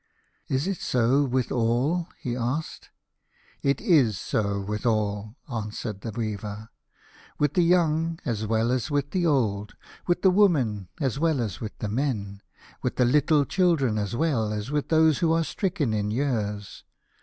" Is it so with all ?" he asked. " It is so with all," answered the weaver, " with the young as well as with the old, with the women as well as with the men, with the little children as well as with those who are stricken in years.